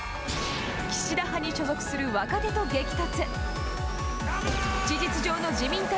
岸田派に所属する若手と激突。